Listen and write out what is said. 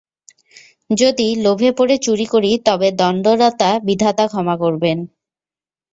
যদি লোভে পড়ে চুরি করি তবে দণ্ডদাতা বিধাতা ক্ষমা করবেন!